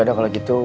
yaudah kalo gitu